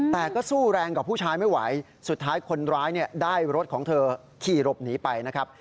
แต่ก็สู้แรงกับผู้ชายไม่ไหวสุดท้ายคนร้ายได้รถของเธอขี่หลบหนีไปนะครับ